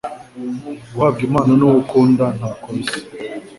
Guhabwa Impano nuwo ukunda ntako bisa